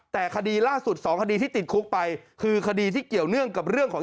แต่คดีล่าสุดสองคดีที่ติดคุกไปคือคดีที่เกี่ยวเนื่องกับเรื่องของ